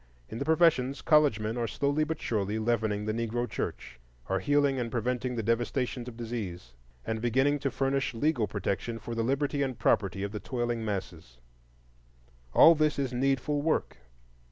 In the professions, college men are slowly but surely leavening the Negro church, are healing and preventing the devastations of disease, and beginning to furnish legal protection for the liberty and property of the toiling masses. All this is needful work.